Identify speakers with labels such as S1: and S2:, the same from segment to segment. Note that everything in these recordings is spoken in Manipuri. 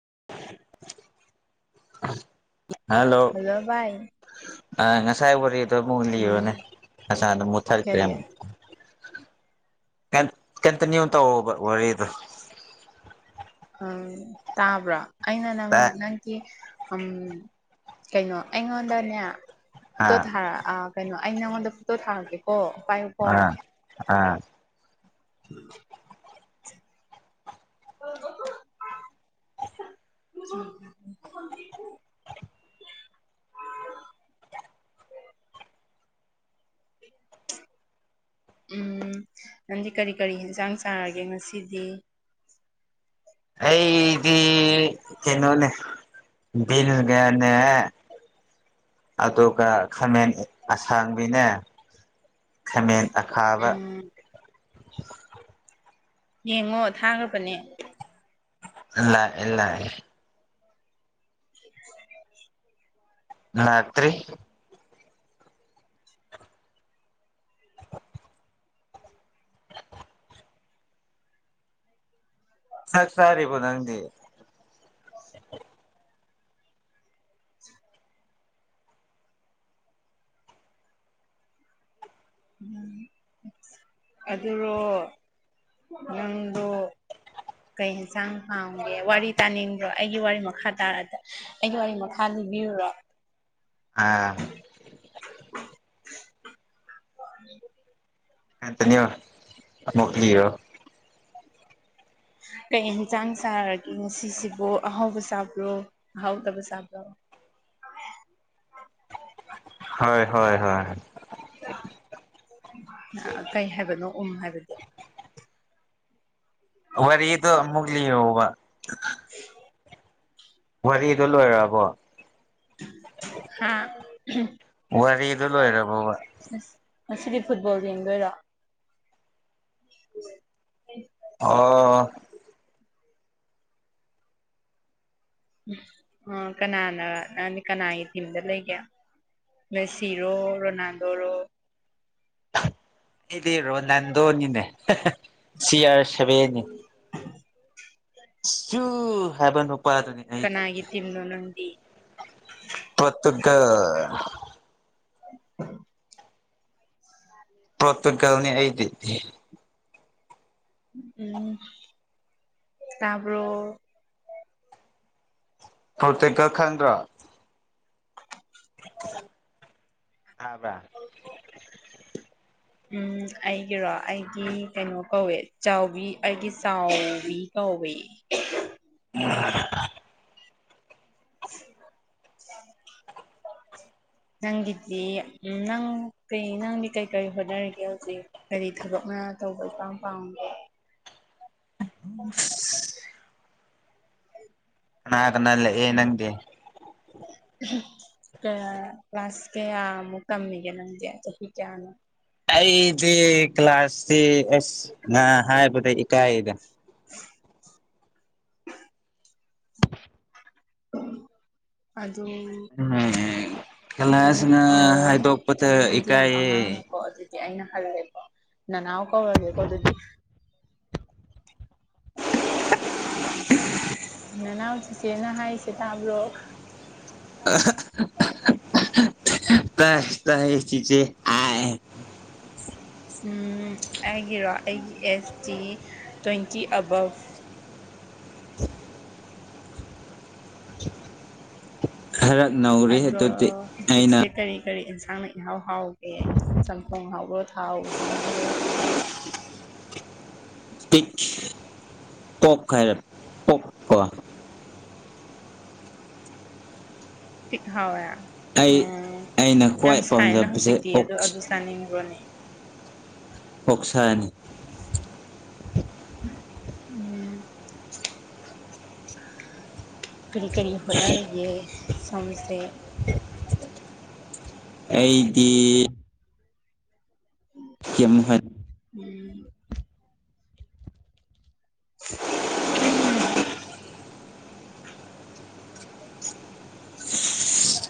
S1: ꯑ
S2: ꯍꯜꯂꯣ ꯥꯏ
S1: ꯑ ꯉꯁꯥꯏ ꯋꯥꯔꯤꯗꯣ ꯑꯃꯨꯛ ꯂꯤꯕꯅꯦ ꯉꯁꯥꯗ ꯃꯨꯠꯊꯔꯈ꯭ꯔꯦ
S2: ꯀꯔꯤ
S1: ꯑꯃꯨꯛ ꯀ ꯀꯇꯅꯨ ꯇ ꯋꯥꯔꯤꯔ ꯑꯗꯨ
S2: ꯎꯝ ꯇꯥꯕ꯭ꯔꯥ ꯑꯩꯅ ꯅꯪ
S1: ꯑꯥ
S2: ꯅꯪꯒꯤ ꯎꯝ ꯀꯩꯅꯣ ꯑꯩꯉꯣꯟꯗꯅꯦ ꯇꯣꯊꯥꯔꯛꯑ ꯀꯩꯅꯣ ꯑꯩ ꯅꯪꯉꯣꯟꯗ ꯐꯣꯇꯣ ꯊꯥꯔꯒꯦꯀꯣ ꯄꯥꯏꯌꯨꯀꯣ
S1: ꯑꯥ ꯑꯥ
S2: [unintelligible] ꯎꯝ
S1: [unintelligible] [unintelligible]
S2: ꯎꯝ ꯅꯪꯗꯤ ꯀꯔꯤ ꯀꯔꯤ ꯌꯦꯟꯁꯥꯡ ꯆꯥꯔꯒꯦ ꯉꯁꯤꯗꯤ
S1: ꯑꯩ ꯏꯗꯤ ꯀꯩꯅꯣꯅꯦ ꯒꯅꯦ ꯑꯇꯣ ꯀ ꯈ ꯑꯁꯥꯡꯕꯤꯅꯦ ꯈꯥꯃꯦꯟ ꯑꯈꯥꯕ
S2: ꯎꯝ ꯌꯦꯡꯉꯣ ꯊꯥꯈ꯭ꯔꯕꯅꯦ
S1: ꯏ ꯏꯂ ꯉꯇꯔꯤ ꯍ ꯁꯥꯔꯤꯕꯨꯣ ꯅꯪꯗꯤ
S2: [unintelligible] ꯎꯝ ꯑꯗꯨꯣ ꯅꯥꯡꯗ ꯀꯩ ꯌꯦꯟꯁꯥꯡ ꯍꯥꯡꯒꯦ ꯋꯥꯔꯤ ꯇꯥꯅꯤꯡꯕ꯭ꯔꯣ ꯑꯩꯒꯤ ꯋꯥꯔꯤ ꯃꯈꯥ ꯇꯥꯔ ꯑꯩꯒꯤ ꯋꯥꯔꯤ ꯃꯈꯥ ꯕꯤꯌꯨꯔꯣ
S1: ꯑꯥ
S2: [unintelligible]
S1: ꯍ ꯊꯅꯤꯣ ꯃꯣꯂꯤꯣ
S2: ꯀꯩ ꯍꯟꯆꯥꯡ ꯁꯥꯔꯒꯦ ꯉꯁꯤꯁꯤꯕꯨ ꯑꯍꯥꯎꯕ ꯆꯥꯕ꯭ꯔꯣ ꯑꯍꯥꯎꯗꯕ ꯆꯥꯕ꯭ꯔꯣ
S1: ꯍ ꯍ
S2: ꯀꯩ ꯍꯥꯏꯕꯅꯣ ꯎꯝ ꯍꯥꯏꯕꯗꯤ
S1: ꯋꯥꯗꯨ ꯃꯨꯒꯂꯤꯕ
S2: ꯍ
S1: ꯋꯥꯔꯤꯗꯣ ꯂꯣꯏꯔꯕꯣ
S2: ꯍꯥ
S1: ꯋꯥꯔꯤꯗ ꯂꯣꯏꯔꯕꯔꯕꯕꯥ
S2: ꯉꯁꯤꯗꯤ ꯐꯨꯠꯕꯣꯜ ꯌꯦꯡꯗꯣꯏꯔꯥ ꯎ
S1: ꯑꯥ
S2: ꯑ ꯀꯅꯥꯅ ꯀꯅꯥꯒꯤ ꯊꯤꯝꯗ ꯂꯩꯒꯦ ꯁꯤꯔꯣ ꯔꯣꯅꯥꯜꯗꯣ ꯔꯣ
S1: ꯗꯤ ꯔꯣꯅꯥꯜꯗꯣꯅꯤꯅꯦ ꯁꯤꯌꯥꯔ ꯁꯕꯦꯅꯤ ꯁꯨ ꯍꯥꯏꯕ ꯅꯨꯄꯥꯗꯨꯅꯤ ꯑꯩ
S2: ꯀꯅꯥꯒꯤ ꯇꯤꯝꯅꯣ [inaudible]
S1: ꯄꯠꯇꯗ
S2: [inaudible]
S1: ꯄꯣꯔꯇꯨꯒꯜꯅꯤ ꯑꯩꯗꯤ
S2: ꯎꯝ ꯇꯄ
S1: ꯄ꯭ꯔꯣꯇꯦꯛꯀꯔ ꯈꯪꯗ꯭ꯔꯥ ꯑꯥꯕ
S2: ꯎꯝ ꯑꯩꯒꯤꯔꯣ ꯑꯩꯒꯤ ꯀꯩꯅꯣ ꯀꯧꯋꯦ ꯆꯥꯎꯕꯤ ꯑꯩꯒꯤ ꯆꯥꯎꯕꯤ ꯀꯥꯎꯕꯩ
S1: ꯎ
S2: [inaudible] ꯅꯪꯒꯤꯗꯤ ꯎ ꯅꯪ ꯀꯩ ꯅꯪꯗꯤ ꯀꯩ ꯀꯔꯤ ꯍꯣꯠꯅꯔꯤꯒꯦ ꯍꯧꯖꯤꯛ ꯀꯔꯤ ꯊꯕꯛ ꯑ ꯇꯧꯕ ꯄꯝ ꯄꯥꯎ
S1: ꯎꯝ ꯅꯥ ꯑꯗꯨꯅꯂ ꯅꯪꯗꯤ
S2: ꯀꯌꯥ ꯀ꯭ꯂꯥꯁ ꯀꯌꯥꯃꯨꯛ ꯀꯝꯃꯤꯒꯦ ꯅꯪꯗꯤ ꯆꯍꯤ ꯀꯌꯥꯅꯣ
S1: ꯑꯩꯗꯤ ꯀ꯭ꯂꯥꯁꯁꯤ ꯑꯁ ꯉ ꯍꯥꯏꯕꯗ ꯏꯀꯥꯏꯗ [inaudible]
S2: [inaudible]
S1: ꯍꯦꯉ
S2: ꯅꯪ
S1: ꯀꯂꯥꯁꯅ
S2: ꯑꯣ
S1: ꯍꯥꯏꯗꯣꯛꯄꯇ
S2: ꯅꯪꯗꯤ
S1: ꯏꯀꯥꯏ
S2: ꯌꯥꯝ
S1: ꯌꯦ
S2: ꯑꯉꯥꯡꯅꯦꯀꯣ ꯑꯗꯨꯗꯤ ꯑꯩꯅ ꯍꯜꯂꯦꯀꯣ ꯅꯅꯥꯎ ꯀꯧꯔꯒꯦꯀꯣ ꯑꯗꯨꯗꯤ ꯅꯅꯥꯎ ꯆꯤꯆꯦꯅ ꯍꯥꯏꯁꯦ ꯇꯕ꯭ꯔꯣ
S1: ꯑꯍ... ꯑ.. ꯑ ꯇꯥꯏ ꯇꯥꯏꯌꯦ ꯆꯤꯆꯦ ꯑꯥꯏ...
S2: ꯎꯝ ꯑꯩꯒꯤꯔꯣ ꯑꯩꯒꯤ ꯑꯦꯁꯇꯤ ꯇ꯭ꯋꯦꯟꯇꯤ ꯑꯕꯞ
S1: ꯈꯔ ꯅꯧꯔꯤ
S2: ꯑꯗꯣ
S1: ꯑꯗꯨꯗꯤ
S2: ꯍꯧ
S1: ꯑꯩꯅ
S2: ꯆꯤꯛꯁꯦ ꯀꯔꯤ ꯀꯔꯤ ꯊꯥꯡꯅ ꯏꯍꯥꯎ ꯍꯥꯎꯒꯦ ꯆꯝꯊꯣꯡꯅ ꯍꯥꯎꯕ꯭ꯔꯣ ꯊꯥꯎ ꯍꯥꯎꯕ꯭ꯔꯣ
S1: ꯇꯤꯛꯈꯤ ꯀꯣꯄ ꯈꯥꯏꯔꯥ ꯀꯣꯄ ꯀꯣ
S2: ꯇꯤ ꯍꯥꯎꯋꯦ
S1: ꯑꯩ
S2: ꯎꯝ
S1: ꯑꯩꯅ ꯈ꯭ꯋꯥꯏ
S2: ꯌꯥꯝ ꯁꯥꯏꯅ
S1: ꯄꯥꯝꯖꯕꯁꯦ
S2: ꯍꯧꯖꯤꯛꯇꯤ
S1: ꯑꯣꯛ
S2: ꯑꯗꯨ ꯑꯗꯨ ꯆꯥꯅꯤꯡꯕ꯭ꯔꯣꯅꯦ
S1: ꯑꯣꯛꯁꯥꯅꯤ
S2: ꯎꯝ ꯀꯔꯤ ꯀꯔꯤ ꯍꯣꯠꯅꯔꯤꯒꯦ ꯁꯣꯝꯁꯦ
S1: ꯑꯩꯗꯤ ꯀꯩꯝ ꯍꯣꯠ
S2: ꯎꯝ ꯎꯝ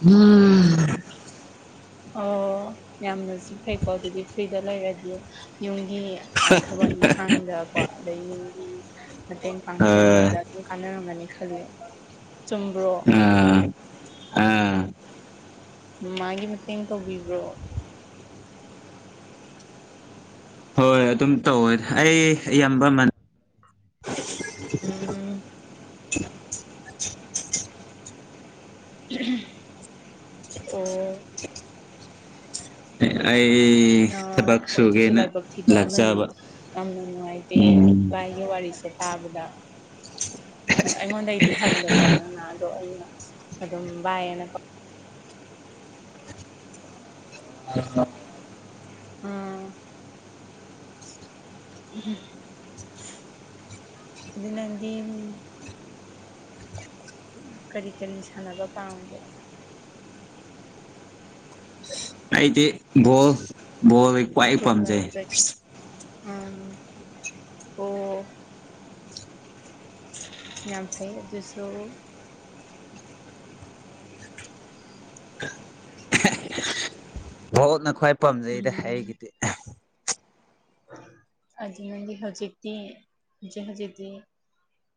S1: ꯎꯝ
S2: [inaudible] ꯑꯣ ꯌꯥꯝꯅꯁꯨ ꯐꯩꯀꯣ ꯑꯗꯨꯗꯤ ꯐ꯭ꯔꯤꯗ ꯂꯩꯔꯗꯤ ꯌꯨꯝꯒꯤ ꯑ- ꯊꯕꯛ ꯏꯪꯈꯥꯡꯗ ꯀꯣ ꯑꯗꯒꯤ ꯌꯨꯝꯒꯤ ꯃꯇꯦꯡ
S1: ꯑ
S2: ꯄꯥꯡꯁꯟꯕꯗ ꯑꯗꯨꯝ ꯀꯥꯟꯅꯔꯝꯒꯅꯤ ꯈꯜꯂꯦ
S1: ꯑꯥ ꯑꯥ
S2: ꯃꯃꯥꯒꯤ ꯃꯇꯦꯡ ꯇꯧꯕꯤꯕ꯭ꯔꯣ
S1: ꯍꯣꯏ ꯑꯗꯨꯝ ꯇꯧꯋꯦ ꯑꯩ ꯑꯌꯥꯝꯕ ꯃ
S2: ꯎꯝ ꯑꯣ
S1: ꯑꯩ
S2: ꯑ-
S1: ꯊꯕꯛ
S2: ꯑꯗꯨꯁꯨ
S1: ꯁꯨꯒꯦꯅ
S2: ꯂꯥꯏꯕꯛ ꯊꯤꯕ ꯑꯃꯅꯦ
S1: ꯂꯥꯛꯆꯕ
S2: ꯌꯥꯝꯅ ꯅꯨꯡꯉꯥꯏꯇꯦ
S1: ꯎꯝ
S2: ꯚꯥꯏꯒꯤ ꯋꯥꯔꯤ ꯁꯦ ꯇꯥꯕꯗꯥ ꯑꯩꯉꯣꯟꯗꯩꯗꯤ ꯍꯜꯂꯦꯀꯣ ꯅꯪꯅ ꯑꯗꯣ ꯑꯩꯅ ꯑꯗꯨꯝ ꯚꯏ‌ ꯑꯅ ꯎꯝ ꯑꯗꯨ [unintelligible] ꯀꯔꯤ ꯀꯔꯤ ꯁꯥꯟꯅꯕ ꯄꯥꯝꯒꯦ
S1: ꯑꯩꯗꯤ ꯕꯣꯜ ꯕꯣꯜ ꯈ꯭ꯋꯥꯏ ꯄꯥꯝꯖꯩ
S2: ꯑ ꯑꯣ ꯌꯥꯝ ꯐꯩ‌ ꯑꯗꯨꯁꯨ
S1: ꯚꯣꯜꯅ ꯈ꯭ꯋꯥꯏ ꯄꯥꯝꯖꯩꯗ ꯑꯩꯒꯤꯗꯤ
S2: ꯑꯗꯨꯅꯗꯤ ꯍꯧꯖꯤꯛꯇꯤ ꯍꯧꯖꯤ ꯍꯧꯖꯤꯛꯇꯤ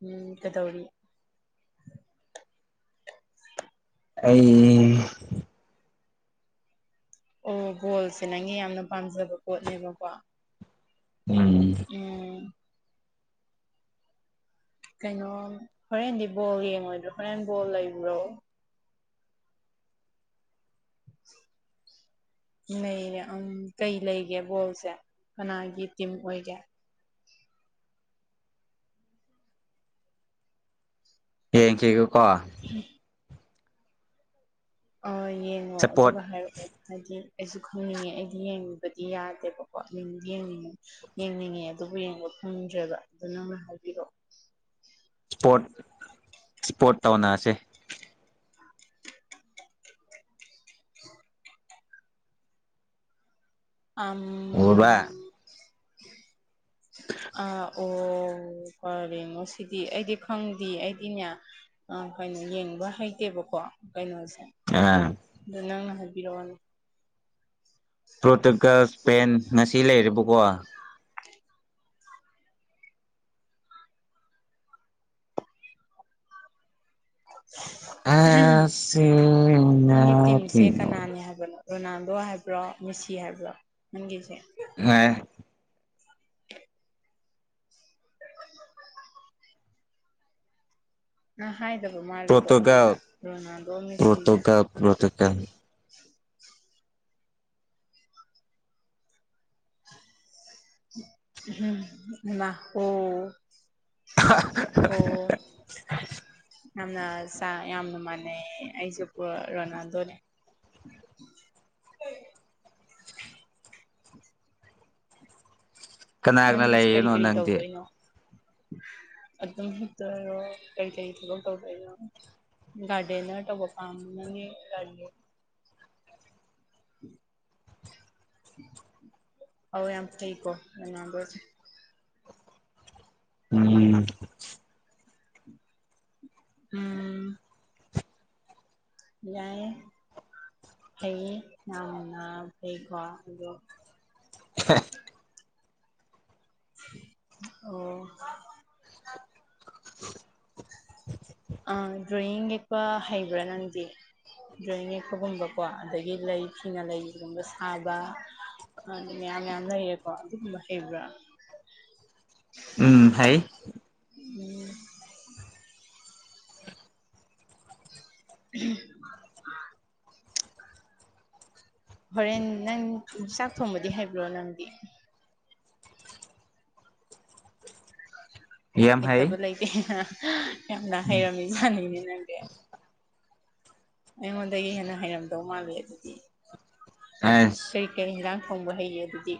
S2: ꯎꯝ ꯀꯗꯧꯔꯤ
S1: ꯑꯩ
S2: ꯑꯣ ꯕꯣꯜꯁꯦ ꯅꯪꯒꯤ ꯌꯥꯝꯅ ꯄꯥꯝꯖꯕ ꯄꯣꯠꯅꯦꯕꯀꯣ
S1: ꯎꯝ
S2: ꯎꯝ ꯀꯩꯅꯣ ꯍꯣꯔꯦꯟꯗꯤ ꯕꯣꯜ ꯌꯦꯡꯉꯣꯏꯗ꯭ꯔꯣ ꯍꯣꯔꯦꯟꯗꯤ ꯕꯣꯜ ꯂꯩꯕ꯭ꯔꯣ ꯂꯩꯌꯦ ꯎꯝ ꯀꯩ ꯂꯩꯒꯦ ꯕꯣꯜꯖꯦ ꯀꯅꯥꯒꯤ ꯇꯤꯝ ꯑꯣꯏꯒꯦ
S1: [unintelligible] ꯀꯣ
S2: ꯑ ꯌꯦꯡꯉꯣ
S1: ꯁꯞꯄꯣꯔꯠ
S2: ꯑꯗꯨꯒ ꯍꯥꯏꯔꯛꯑꯣ ꯍꯥꯏꯗꯤ ꯑꯩꯁꯨ ꯈꯪꯅꯤꯡꯉꯦ ꯑꯩꯗꯤ ꯌꯦꯡꯕꯗꯤ ꯌꯥꯗꯦꯕꯀꯣ ꯌꯦꯡꯗꯤ ꯌꯦꯡꯅꯤꯡ-ꯌꯦꯡꯅꯤꯡꯉꯦ ꯑꯗꯨꯕꯨ ꯌꯦꯡꯕ ꯐꯪꯗ꯭ꯔꯦꯕ ꯑꯗꯨ ꯅꯪꯅ ꯍꯥꯏꯕꯤꯔꯛꯑꯣ
S1: ꯁꯄꯣꯔꯠ ꯁꯄꯣꯔꯠ ꯇꯧꯅꯁꯦ
S2: [inaudible]
S1: ꯎꯕ
S2: ꯑꯝ
S1: [inaudible]
S2: ꯑ ꯑꯣ ꯐꯔꯦꯉꯣ ꯁꯤꯗꯤ ꯑꯩꯗꯤ ꯈꯪꯗꯤꯌꯦ ꯑꯩꯗꯤꯅꯦ ꯑ ꯀꯩꯅꯣ ꯌꯦꯡꯕ ꯍꯩꯇꯦꯕꯀꯣ ꯀꯩꯅꯣꯁꯦ
S1: ꯑ
S2: ꯑꯗꯨ ꯅꯪꯅ ꯍꯥꯏꯕꯤꯔꯛꯑꯣꯅꯦ
S1: ꯄꯣꯔꯇꯨꯒꯜ ꯏ꯭ꯁꯄꯦꯟ ꯉꯁꯤ ꯂꯩꯔꯤꯕꯀꯣ
S2: [unintelligible]
S1: ꯑꯁꯤꯅ
S2: ꯅꯪꯒꯤ ꯇꯤꯝꯁꯦ
S1: ꯊꯤꯡꯉꯣ
S2: ꯀꯅꯥꯅꯤ ꯍꯥꯏꯕꯅꯣ ꯔꯣꯅꯥꯜꯗꯣ ꯍꯥꯏꯕ꯭ꯔꯣ ꯃꯤꯁꯤ ꯍꯥꯏꯕ꯭ꯔꯣ ꯅꯪꯒꯤꯁꯦ
S1: ꯍꯥꯏ
S2: ꯑ ꯍꯥꯏꯗꯕ ꯃꯥꯜꯂꯦꯀꯣ
S1: ꯄꯣꯔꯇꯨꯒꯜ
S2: ꯑꯩꯉꯣꯟꯗ ꯔꯣꯅꯥꯜꯗꯣ ꯃꯦꯁꯤꯁꯦ
S1: ꯄꯣꯔꯇꯨꯒꯜ ꯄꯣꯔꯇꯨꯒꯜ
S2: ꯎꯝ ꯂ ꯑꯣ ꯑꯣ
S1: [inaudible]
S2: ꯌꯥꯝꯅ ꯁ-ꯌꯥꯝꯅ ꯃꯥꯟꯅꯩꯌꯦ ꯑꯩꯁꯨꯀꯣ ꯔꯣꯅꯥꯜꯗꯣꯅꯦ
S1: [inaudible] ꯀꯅꯥ ꯀꯅꯥ
S2: ꯅꯪꯗꯤ ꯍꯧꯖꯤꯛ ꯀꯔꯤ
S1: ꯂꯩꯌꯦꯅꯣ
S2: ꯀꯔꯤ
S1: ꯅꯪꯗꯤ
S2: ꯇꯧꯗꯣꯏꯅꯣ ꯑꯗꯨꯝ ꯍꯤꯞꯇꯣꯏꯔꯣ ꯀꯩꯀꯩ ꯊꯕꯛ ꯇꯧꯗꯣꯏꯅꯣ ꯒꯥꯔꯗꯅ ꯇꯧꯕ ꯄꯥꯝꯒꯥ ꯎꯝ ꯍꯥꯎ ꯌꯥꯝ ꯊꯤꯀꯣ ꯑꯗꯨꯅ ꯋꯥꯝꯕꯔꯁ
S1: ꯎꯝ
S2: ꯎꯝ ꯌꯥꯑꯦ ꯐꯩꯌꯦ ꯌꯥꯝꯅ ꯐꯩꯀꯣ ꯑꯣ
S1: [unintelligible]
S2: ꯑꯣ ꯑꯥ ꯗ꯭ꯔꯣꯣꯌꯤꯡ ꯂꯦꯛꯄ ꯍꯩꯕ꯭ꯔꯥ ꯅꯪꯗꯤ ꯗ꯭ꯔꯣꯋꯤꯡ ꯌꯦꯛꯄꯒꯨꯝꯕꯀꯣ ꯑꯗꯒꯤ ꯂꯩ ꯐꯤꯅ ꯂꯩꯒꯨꯝꯕ ꯁꯥꯕ ꯑꯗꯨ ꯃꯌꯥꯝ ꯌꯥꯝꯌꯥꯝ ꯂꯩꯌꯦꯦꯀꯣ ꯑꯗꯨꯒꯨꯝꯕ ꯍꯩꯕ꯭ꯔꯥ
S1: ꯎꯝ ꯍꯥꯏꯥꯏ
S2: ꯎꯝ ꯎꯝ ꯍꯣꯔꯦꯟ ꯅꯪ ꯆꯥꯛ ꯊꯣꯡꯕꯗꯤ ꯍꯩꯕ꯭ꯔꯣ ꯅꯪꯗꯤ
S1: ꯌꯥꯝ ꯍꯩ
S2: ꯍꯩꯇꯕ ꯂꯩꯇꯦ ꯌꯥꯝꯅ ꯍꯩꯔꯝꯃꯤꯖꯥꯅꯤꯅꯦ ꯅꯪꯗꯤ ꯑꯩꯉꯣꯟꯗꯒꯤ ꯍꯦꯟꯅ ꯍꯩꯔꯝꯗꯧ ꯃꯥꯜꯂꯤ ꯑꯗꯨꯗꯤ
S1: ꯑꯁ
S2: ꯀꯔꯤ ꯀꯔꯤ ꯍꯤꯗꯥꯛ ꯐꯪꯕ ꯍꯩꯅꯦ ꯑꯗꯨꯗꯤ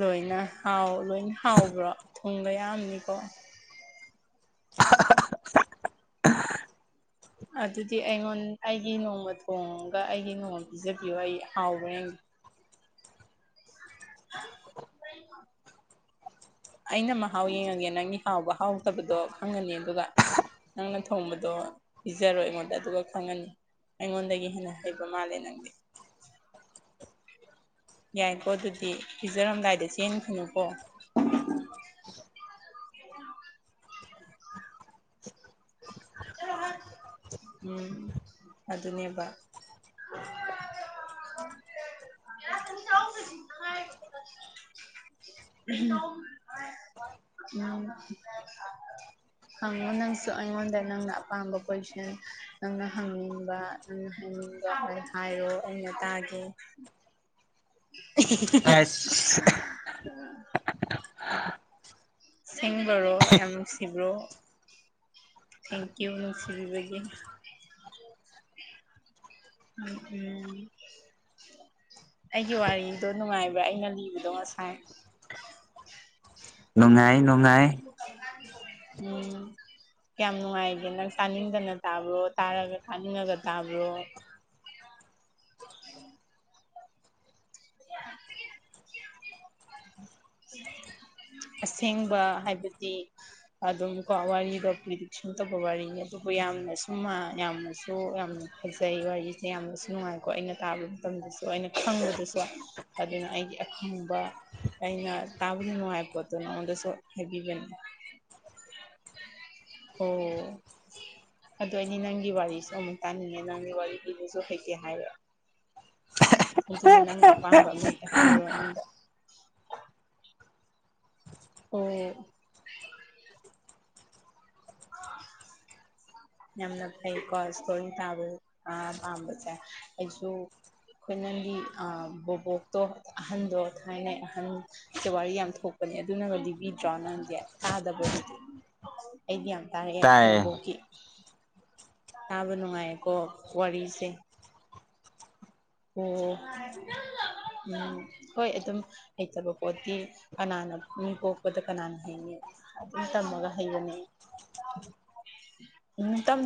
S2: ꯂꯣꯏꯅ ꯍꯥꯎ ꯂꯣꯏꯅ ꯍꯥꯎꯕ꯭ꯔꯣ ꯊꯨꯡꯒ ꯌꯥꯝꯅꯤꯀꯣ ꯑꯗꯨꯗꯤ ꯑꯩꯉꯣꯟ ꯑꯩꯒꯤ ꯅꯣꯡꯃ ꯊꯣꯡꯉꯒ ꯑꯩꯒꯤ ꯅꯣꯡꯃ ꯄꯤꯖꯕꯤꯌꯣ ꯑꯩ ꯍꯥꯎꯕ꯭ꯔꯦ
S1: [unintelligible]
S2: ꯑꯩꯅ ꯃꯍꯥꯎ ꯌꯦꯡꯉꯒꯦ ꯅꯪꯒꯤ ꯍꯥꯎꯕ ꯍꯥꯎꯗꯕꯗꯣ ꯈꯪꯉꯅꯤ ꯑꯗꯨꯒ ꯅꯪꯅ ꯊꯣꯡꯕꯗꯣ ꯄꯤꯖꯔꯣꯏ ꯑꯩꯉꯣꯟꯗ ꯑꯗꯨꯒ ꯈꯪꯉꯅꯤ ꯑꯩꯉꯣꯟꯗꯒꯤ ꯍꯦꯟꯅ ꯍꯩꯕ ꯃꯥꯜꯂꯦ ꯅꯪꯗꯤ
S1: [unintelligible]
S2: ꯌꯥꯏꯀꯣ ꯑꯗꯨꯗꯤ ꯄꯤꯖꯔꯝꯗꯥꯏꯗ ꯆꯦꯟꯈꯅꯨꯀꯣ [unintelligible] ꯎꯝ ꯑꯗꯨꯅꯦꯕ [unintelligible] [unintelligible] ꯍꯪ ꯎ ꯉꯁꯨ ꯑꯩꯉꯣꯟꯗꯥ ꯅꯪꯅ ꯑꯄꯥꯝꯕ ꯀꯣꯏꯁꯟ ꯅꯪꯅ ꯍꯪꯅꯤꯡꯕ ꯅꯪꯅ ꯍꯪꯅꯤꯡꯕ ꯍꯥꯏꯔꯣ ꯇꯒꯦ
S1: ꯑꯥꯏꯁ
S2: [unintelligible] ꯁꯦꯡꯕꯔꯣ ꯌꯥꯝ ꯅꯨꯡꯁꯤꯕ꯭ꯔꯣ ꯊꯦꯡꯀ ꯌꯨ ꯁꯤꯕꯤꯕꯒꯤ ꯎꯝ ꯎꯝ ꯑꯩꯒꯤ ꯋꯥꯔꯤꯗꯣ ꯅꯨꯡꯉꯥꯏꯕ꯭ꯔꯥ ꯑꯩꯅ ꯂꯤꯕꯗꯣ ꯉꯁꯥꯏ
S1: ꯅꯨꯡꯉꯥꯏ ꯅꯨꯡꯉꯥꯏ
S2: ꯎꯝ ꯀꯌꯥꯝ ꯅꯨꯡꯉꯥꯏꯒꯦ ꯅꯪ ꯇꯥꯅꯤꯡꯗꯅ ꯇꯥꯕ꯭ꯔꯣ ꯇꯥꯔꯒ ꯇꯥꯅꯤꯡꯉꯒ ꯇꯥꯕ꯭ꯔꯣ ꯎ [unintelligible] ꯑꯁꯦꯡꯕ ꯍꯥꯏꯕꯗꯤ ꯑꯗꯨꯝ ꯀꯣ ꯋꯥꯔꯤꯗꯣ ꯄ꯭ꯔꯤꯗꯤꯛꯁꯟ ꯇꯧꯕ ꯋꯥꯔꯤꯅꯤ ꯑꯗꯨ ꯌꯥꯝꯅꯁꯨ ꯌꯥꯝꯅꯁꯨ ꯌꯥꯝꯅ ꯐꯖꯩ ꯋꯥꯔꯤꯁꯦ ꯌꯥꯝꯅꯁꯨ ꯅꯨꯡꯉꯥꯏꯀꯣ ꯑꯩꯅ ꯇꯥꯕ ꯃꯇꯝꯗ ꯑꯗꯨ ꯑꯩꯅ ꯈꯪꯕꯗꯨꯁꯨ ꯑꯗꯨꯅ ꯑꯩꯒꯤ ꯑꯈꯪꯕ ꯑꯩꯅ ꯇꯥꯕꯕꯨꯗꯤ ꯅꯨꯡꯉꯥꯏ ꯄꯣꯠꯇꯣ ꯅꯉꯣꯟꯗꯁꯨ ꯍꯥꯏꯕꯤꯕꯅꯤ
S1: [unintelligible]
S2: ꯑꯣ ꯑꯗꯨ ꯑꯩꯅꯦ ꯅꯪꯒꯤ ꯋꯥꯔꯤꯁꯨ ꯑꯃꯨꯛ ꯇꯥꯅꯤꯡꯉꯦ ꯅꯪꯒꯤ ꯋꯥꯔꯤ ꯂꯤꯗꯨꯁꯨ ꯍꯩꯇꯦ ꯍꯥꯏꯔꯑꯣ ꯑꯗꯨꯅ ꯅꯪꯅ ꯑꯄꯥꯝꯕ ꯑꯃꯗ ꯍꯥꯏꯔꯣ ꯑꯩꯉꯣꯟꯗ ꯑꯣꯝ
S1: [inaudible]
S2: ꯌꯥꯝꯅ ꯊꯥꯏ ꯀꯣꯁ ꯊꯣꯛ ꯊꯥꯕ ꯑꯝꯕꯁꯦꯁꯨ ꯑꯩꯈꯣꯏ ꯅꯪꯒꯤ ꯕꯣꯕꯣꯛꯇꯣ ꯑꯍꯟꯗꯣ ꯊꯥꯏꯅꯩ ꯑꯍꯟ ꯁꯦꯋꯥꯔꯤ ꯌꯥꯝ ꯊꯣꯛꯄ ꯑꯗꯨꯅꯒꯗꯤ ꯄꯕꯤꯗ꯭ꯔꯣ ꯅꯪꯗꯤ ꯇꯥꯗꯕꯗꯨꯗꯤ ꯑꯩꯗꯤ ꯌꯥꯝ ꯇꯥꯔꯛꯑꯦ ꯑꯩꯈꯣꯏ
S1: ꯇꯥꯏ
S2: ꯑꯕꯣꯛꯀꯤ ꯇꯥꯕ ꯅꯨꯡꯉꯥꯏꯌꯦꯀꯣ ꯋꯥꯔꯤꯁꯦ ꯑꯣꯝ ꯎꯝ ꯍꯣꯏ ꯑꯗꯨꯝ ꯍꯩꯇꯕ ꯄꯣꯠꯇꯤ ꯀꯅꯥꯅ ꯃꯤ ꯄꯣꯛꯄꯗ ꯀꯅꯥꯅ ꯍꯡꯉꯤ ꯑꯗꯨꯇ ꯃꯒ ꯍꯩꯒꯅꯦ ꯏꯇꯝ